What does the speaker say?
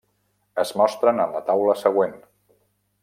Es mostren en la taula següent.